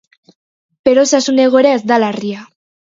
Bere osasun egoera ez da larria.